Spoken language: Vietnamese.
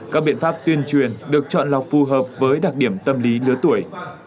các biện pháp tuyên truyền được chọn lọc phù hợp với đặc điểm tâm lý lứa tuổi